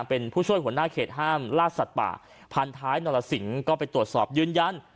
เป็นผู้ช่วยหัวหน้าเขตห้ามล่าสัตว์ป่าพันท้ายนรสิงก็ไปตรวจสอบยืนยัน